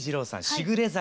「しぐれ坂」